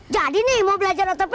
jadi nih mau belajar otopad